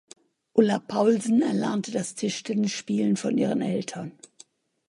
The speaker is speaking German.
Ulla Paulsen erlernte das Tischtennis-Spielen von ihren Eltern.